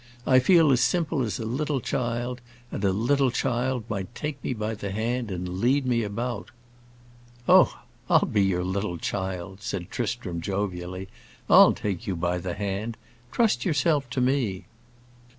I feel as simple as a little child, and a little child might take me by the hand and lead me about." "Oh, I'll be your little child," said Tristram, jovially; "I'll take you by the hand. Trust yourself to me."